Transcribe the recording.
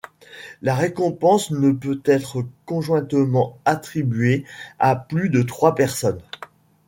La récompense ne peut être conjointement attribuée à plus de trois personnes.